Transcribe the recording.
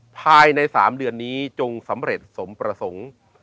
ภายใน๓เดือนนี้จงสำเร็จสมประสงค์